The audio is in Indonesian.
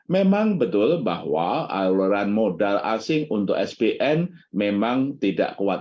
memang betul bahwa aluran modal asing untuk sbn memang tidak kuat